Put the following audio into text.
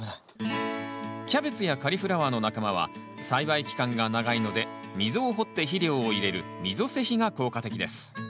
キャベツやカリフラワーの仲間は栽培期間が長いので溝を掘って肥料を入れる溝施肥が効果的です。